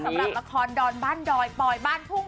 สำหรับละครดอนบ้านดอยปอยบ้านทุ่ง